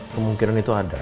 kemungkinan itu ada